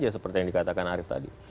ya seperti yang dikatakan arief tadi